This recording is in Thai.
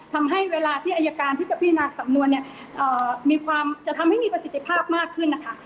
ทำให้เวลาที่อายการที่จะพินาสำนวนเนี่ยมีความจะทำให้มีประสิทธิภาพมากขึ้นนะคะ